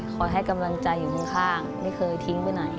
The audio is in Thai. ให้กำลังใจอยู่ข้างไม่เคยทิ้งไปไหน